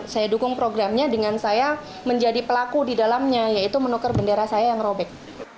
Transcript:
saya dukung programnya dengan saya menjadi pelaku di dalamnya yaitu menukar bendera saya yang robek